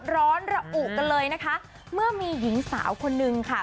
ร้อนระอุกันเลยนะคะเมื่อมีหญิงสาวคนนึงค่ะ